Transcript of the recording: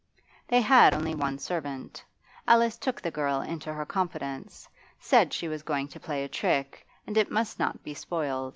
They had only one servant. Alice took the girl into her confidence, said she was going to play a trick, and it must not be spoilt.